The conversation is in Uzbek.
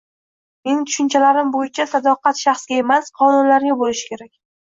Mening tushunchalarim bo‘yicha sadoqat shaxsga emas, qonunlarga bo‘lishi kerak.